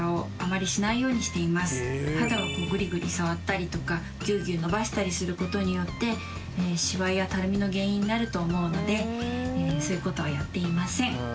肌をぐりぐり触ったりとかぎゅうぎゅう伸ばしたりすることによってシワやたるみの原因になると思うのでそういうことはやっていません。